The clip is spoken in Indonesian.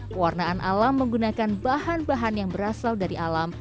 pewarnaan alam menggunakan bahan bahan yang berasal dari alam